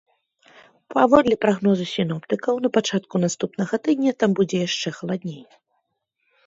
Паводле прагнозу сіноптыкаў, на пачатку наступнага тыдня там будзе яшчэ халадней.